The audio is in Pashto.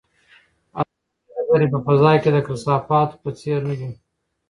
آسماني ډبرې په فضا کې د کثافاتو په څېر نه دي.